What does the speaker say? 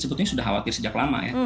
sebetulnya sudah khawatir sejak lama ya